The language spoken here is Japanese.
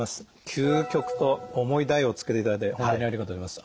「究極」と重い題を付けていただいて本当にありがとうございます。